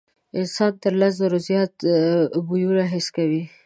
انسان تر لس زرو زیات بویونه حس کوي.